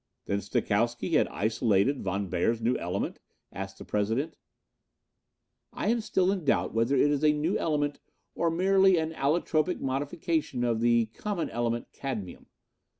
"Then Stokowsky had isolated Von Beyer's new element?" asked the President. "I am still in doubt whether it is a new element or merely an allotropic modification of the common element, cadmium.